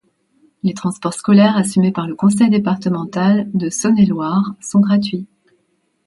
Les transports scolaires, assumés par le conseil départemental de Saône-et-Loire, sont gratuits.